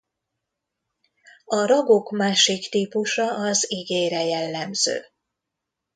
A ragok másik típusa az igére jellemző.